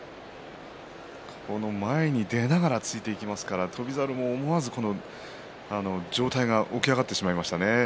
前に出ながら突いていきますから翔猿も上体が起き上がってしまいましたね。